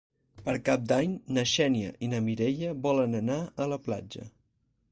Per Cap d'Any na Xènia i na Mireia volen anar a la platja.